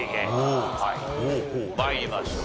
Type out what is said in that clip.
参りましょう。